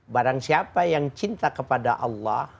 maka dia akan mencintai tuhan